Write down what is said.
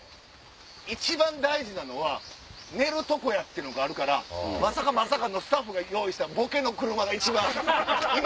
一番大事なのは寝るとこやっていうのあるからまさかまさかのスタッフが用意したボケの車が一番ええ。